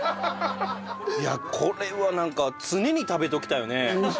いやこれはなんか常に食べておきたいよね。